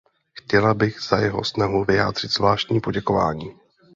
Chtěla bych za jeho snahu vyjádřit zvláštní poděkování.